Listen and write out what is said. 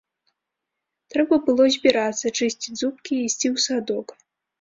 Трэба было збірацца, чысціць зубкі і ісці ў садок.